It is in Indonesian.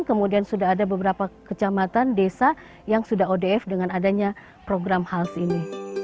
kemudian sudah ada beberapa kecamatan desa yang sudah odf dengan adanya program hals ini